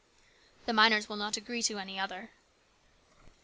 "The miners will not agree to any other."